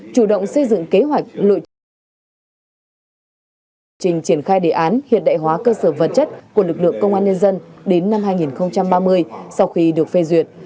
chủ động xây dựng kế hoạch lội trình triển khai đề án hiện đại hóa cơ sở vật chất của lực lượng công an nhân dân đến năm hai nghìn ba mươi sau khi được phê duyệt